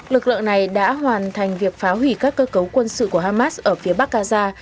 lực lượng này đã hoàn thành việc phá hủy các cơ cấu quân sự của hamas ở phía bắc gaza